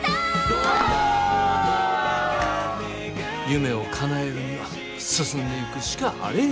夢をかなえるには進んでいくしかあれへんねん。